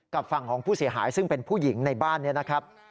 กับฝั่งของผู้เสียหายซึ่งเป็นผู้หญิงในบ้านนี้นะครับ